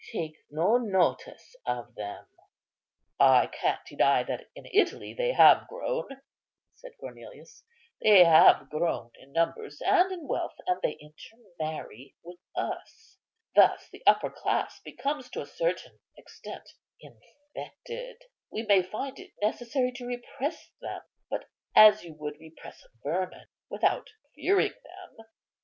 Take no notice of them." "I can't deny that in Italy they have grown," said Cornelius; "they have grown in numbers and in wealth, and they intermarry with us. Thus the upper class becomes to a certain extent infected. We may find it necessary to repress them; but, as you would repress vermin, without fearing them."